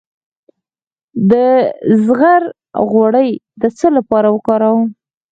د زغر غوړي د څه لپاره وکاروم؟